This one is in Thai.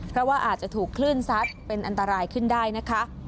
เพราะว่าอาจจะถูกคลื่นซัดเป็นอันตรายขึ้นได้นะคะ